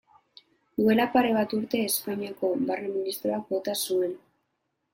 Duela pare bat urte Espainiako Barne ministroak bota zuen.